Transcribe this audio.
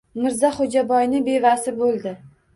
Mirzaxo‘jaboyni bevasi bo‘ldi.